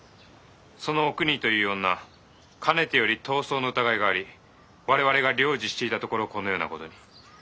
そのおくにという女かねてより痘瘡の疑いがあり我々が療治していたところこのような事に。